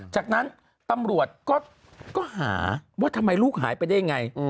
จากนั้นตำรวจก็หาว่าทำไมลูกหายไปได้ยังไง